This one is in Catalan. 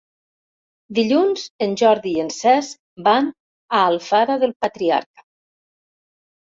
Dilluns en Jordi i en Cesc van a Alfara del Patriarca.